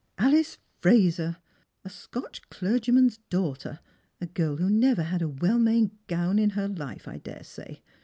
" Alice Eraser ! A Scotch clergyman's daughter, a girl who never had a well made gown in her life, I dare say.